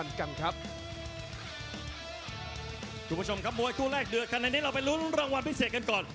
ในในนี้เราไปรุ้นรางวัลพิเศษกันก่อน